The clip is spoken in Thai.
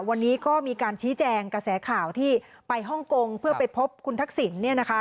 วันนี้ก็มีการชี้แจงกระแสข่าวที่ไปฮ่องกงเพื่อไปพบคุณทักษิณ